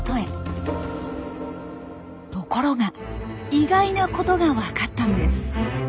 ところが意外なことが分かったんです。